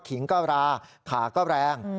ขิงก็ราขาก็แรง